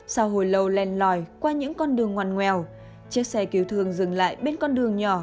sau hồi lâu len lòi qua những con đường ngoan ngoèo chiếc xe cứu thường dừng lại bên con đường nhỏ